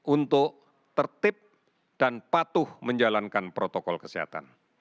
untuk tertib dan patuh menjalankan protokol kesehatan